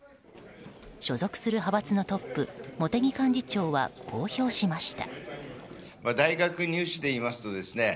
所属する派閥のトップ茂木幹事長はこう表しました。